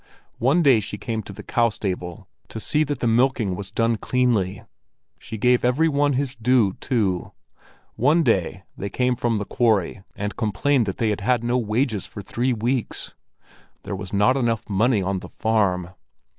One day she came to the cow stable to see that the milking was done cleanly. She gave every one his due, too. One day they came from the quarry and complained that they had had no wages for three weeks. There was not enough money on the farm.